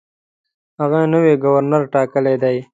هغه نوی ګورنر ټاکلی دی.